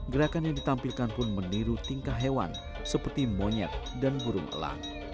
gerakan yang ditampilkan pun meniru tingkah hewan seperti monyet dan burung elang